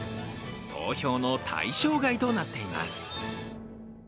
投票の対象外となっています。